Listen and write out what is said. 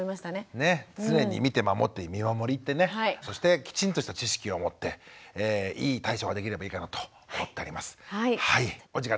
ねっ常に見て守って「見守り」ってねそしてきちんとした知識を持っていい対処ができればいいかなと思っております。